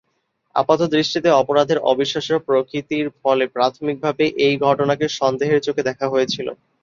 আপাতদৃষ্টিতে অপরাধের অবিশ্বাস্য প্রকৃতির ফলে প্রাথমিকভাবে এই ঘটনাকে সন্দেহের চোখে দেখা হয়েছিল।